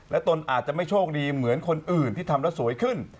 ตนอาจจะไม่โชคดีเหมือนคนอื่นที่ทำแล้วสวยขึ้น